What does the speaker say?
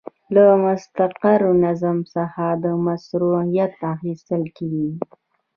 له مستقر نظم څخه مشروعیت اخیستل کیږي.